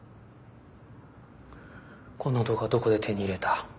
こんな動画どこで手に入れた？